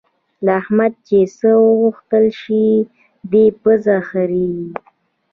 له احمده چې څه وغوښتل شي؛ دی پزه خرېي.